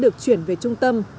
để được chuyển về trung tâm